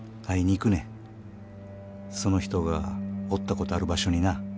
その人がおったことある場所にな。